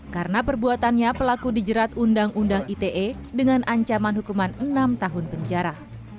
karena perbuatannya pelaku dijerat undang undang ite dengan ancaman hukuman enam tahun penjara